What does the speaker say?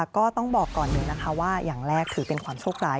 ก็ต้องบอกก่อนหนึ่งนะคะว่าอย่างแรกถือเป็นความโชคร้าย